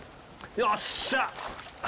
よっしゃ！